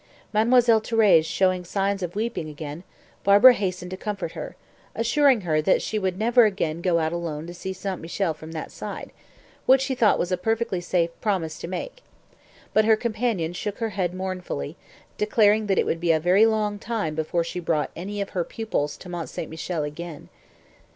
Mademoiselle Thérèse showing signs of weeping again, Barbara hastened to comfort her, assuring her that she would never again go out alone to see St. Michel from that side, which she thought was a perfectly safe promise to make. But her companion shook her head mournfully, declaring that it would be a very long time before she brought any of her pupils to Mont St. Michel again.